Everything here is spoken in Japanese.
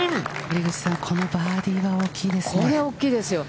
森口さん、このバーディーは大きいですね。